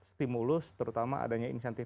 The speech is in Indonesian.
stimulus terutama adanya insentif